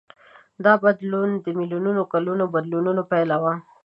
دا بدلون د میلیونونو کلونو بدلونونو پایله وه.